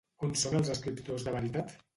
On són els escriptors de veritat?